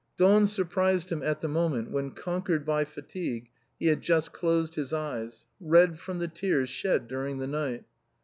Dawn surprised him at the moment when, conquered by fatigue, he had just closed his eyes, red from the tears shed during the night.